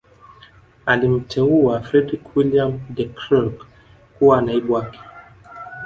Alimteua Fredrick Willeum De Krelk kuwa naibu wake